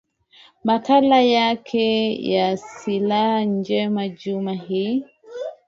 makala yetu ya siha njema juma hili